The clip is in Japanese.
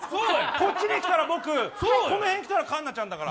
こっちに来たら僕、この辺に来たら環奈ちゃんだから。